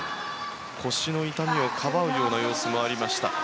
腰の痛みをかばうような様子もありました。